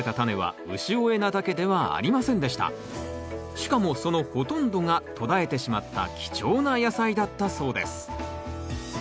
しかもそのほとんどが途絶えてしまった貴重な野菜だったそうです